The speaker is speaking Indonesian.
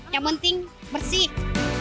yang penting bersih